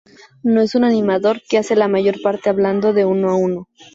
No es un animador, que hace la mayor parte hablando de uno a uno.